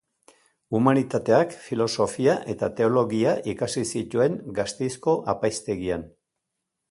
Humanitateak, Filosofia eta Teologia ikasi zituen Gasteizko Apaiztegian.